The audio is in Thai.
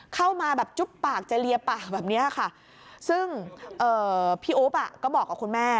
เข้ามาแบบจุ๊บปากจะเลียปากแบบนี้ค่ะซึ่งพี่อุ๊บอ่ะก็บอกกับคุณแม่